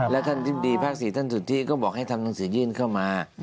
และภาค๔ท่านสุธิก็บอกให้ทำหนังสือยื่นเข้ามา